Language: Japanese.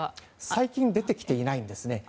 最近出てきていないんです。